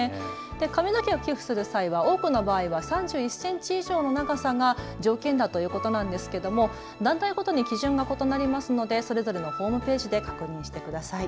髪の毛を寄付する際は多くの場合は３１センチ以上の長さが条件だということなんですが団体ごとに基準が異なりますのでそれぞれのホームページで確認してみてください。